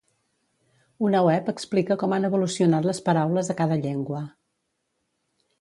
Una web explica com han evolucionat les paraules a cada llengua.